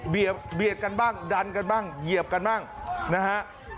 เบียดกันบ้างดันกันบ้างเหยียบกันบ้างนะฮะ